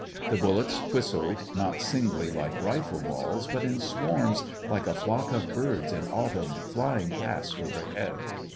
The bullets whistled, not singly like rifle balls, but in swarms, like a flock of birds in autumn, flying past over head.